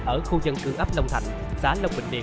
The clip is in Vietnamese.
ở khu dân cương ấp long thành xá long bình điện